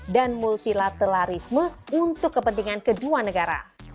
dan multilateralisme untuk kepentingan kedua negara